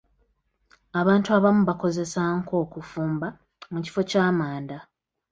Abantu abamu bakozesa nku okufumba mu kifo ky'amanda.